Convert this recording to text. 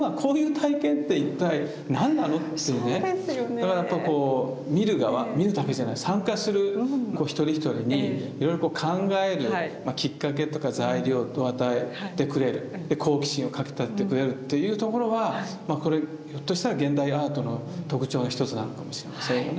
だからやっぱこう見る側見るだけじゃない参加する一人一人にいろいろ考えるきっかけとか材料を与えてくれる好奇心をかきたててくれるっていうところはこれひょっとしたら現代アートの特徴の一つなのかもしれませんよね。